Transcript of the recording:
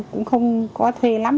cũng không có thuê lắm